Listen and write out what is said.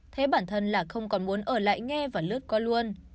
thế bản thân là không còn muốn ở lại nghe và lướt có luôn